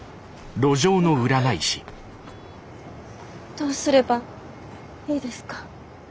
どうすればいいですか？